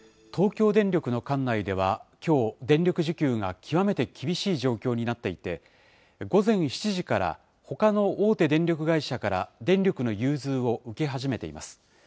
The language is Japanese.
東京電力の管内では、きょう、電力需給が極めて厳しい状況になっていて、午前７時から、ほかの大手電力会社から電力の融通を受け始めています。